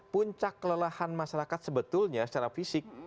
puncak kelelahan masyarakat sebetulnya secara fisik